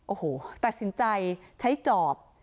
โอ้โหตัดสินใจใช้จอบ